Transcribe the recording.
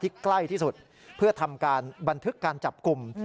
ใกล้ที่สุดเพื่อทำการบันทึกการจับกลุ่ม